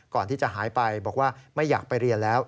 ก่อนที่จะหายไปบอกว่าไม่อยากไปเรียนแล้ว